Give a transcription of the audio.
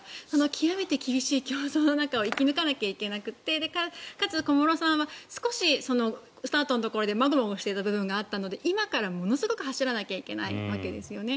極めて厳しい競争の中を生き抜いていかないといけなくてかつ、小室さんは少しスタートのところでまごまごしていた部分があったので今からものすごい走らないといけないわけですよね。